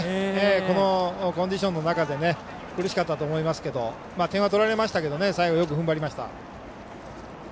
このコンディションの中で苦しかったと思いますけど点は取られましたけど最後はよくふんばりました。